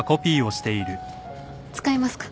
使いますか？